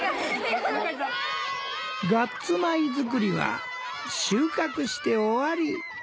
ガッツ米作りは収穫して終わり。